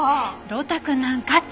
呂太くんなんかって。